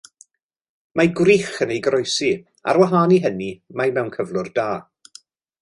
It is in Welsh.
Mae gwrych yn ei groesi; ar wahân i hynny mae mewn cyflwr da.